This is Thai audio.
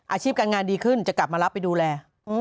อาชีพการงานดีขึ้นจะกลับมารับไปดูแล